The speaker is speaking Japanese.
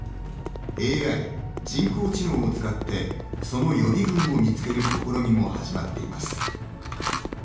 ＡＩ＝人工知能を使ってその予備軍を見つける試みも始まっています。